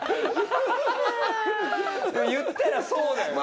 言ったらそうだよね。